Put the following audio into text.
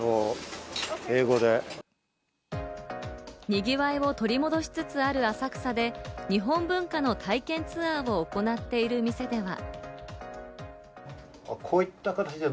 にぎわいを取り戻しつつある浅草で、日本文化の体験ツアーを行っている店では。